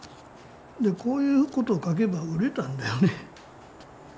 こういうことを書けば売れたんだよね。